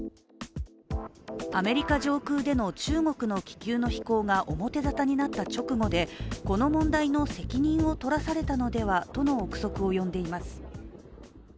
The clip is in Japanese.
アメリカ上空での中国の気球の飛行が表沙汰になった直後でこの問題の責任を取らされたのではとの憶測を呼んでいます。